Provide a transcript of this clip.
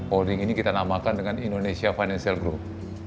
holding ini kita namakan dengan indonesia financial group